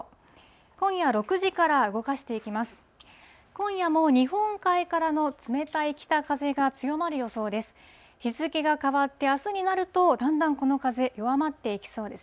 今夜６時から動かしていきます。